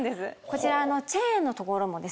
こちらチェーンの所もですね